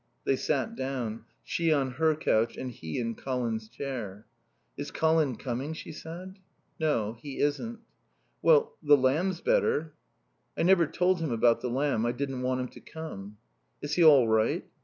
They sat down, she on her couch and he in Colin's chair. "Is Colin coming?" she said. "No, he isn't." "Well the lamb's better." "I never told him about the lamb. I didn't want him to come." "Is he all right?"